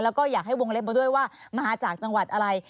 แล้วก็อยากให้วงเล็บมาด้วยว่ามาจากจังหวัดอะไร